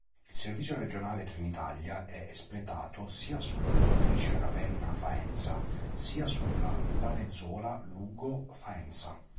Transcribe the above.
Il servizio regionale Trenitalia è espletato sia sulla direttrice Ravenna-Faenza sia sulla Lavezzola-Lugo-Faenza.